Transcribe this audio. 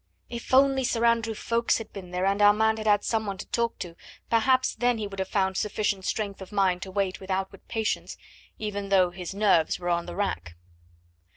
If only Sir Andrew Ffoulkes had been there, and Armand had had some one to talk to, perhaps then he would have found sufficient strength of mind to wait with outward patience, even though his nerves were on the rack.